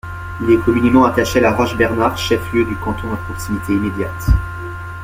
Il est communément attaché à La Roche-Bernard, chef-lieu du canton à proximité immédiate.